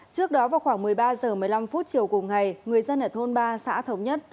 trước đó vào khoảng một mươi ba h một mươi năm chiều cùng ngày người dân ở thôn ba xã thống nhất